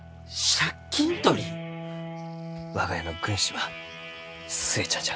我が家の軍師は寿恵ちゃんじゃ。